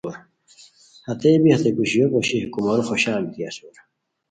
ہتئے بی ہتے پوشیو پوشی ہے کومورو خوشان بیتی اسور